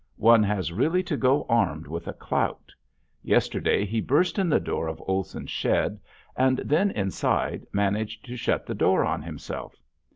One has really to go armed with a clout. Yesterday he burst in the door of Olson's shed and then inside managed to shut the door on himself.